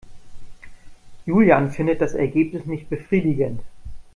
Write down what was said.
Julian findet das Ergebnis nicht befriedigend.